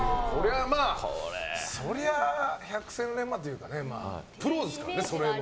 そりゃ百戦錬磨というかプロですからね、それの。